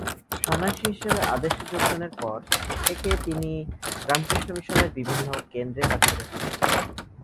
সন্ন্যাসী হিসাবে আদেশে যোগদানের পর থেকে তিনি রামকৃষ্ণ মিশনের বিভিন্ন কেন্দ্রে কাজ করেছেন।